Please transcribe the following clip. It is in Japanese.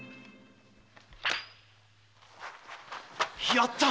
やった！